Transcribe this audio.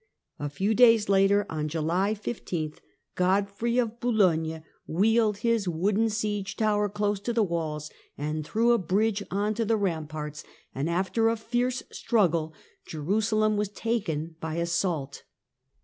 A few days later, on July 15, Godfrey of THE COMNENI AND THE TWO FIRST CRUSADES 145 Boulogne wheeled his wooden siege tower close to the walls, and threw a bridge on to the ramparts, and, after a fierce struggle, Jerusalem was taken by assault.